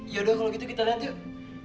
yaudah kalau gitu kita lihat yuk